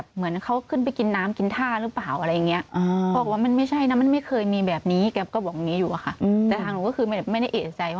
หนูก็บอกว่า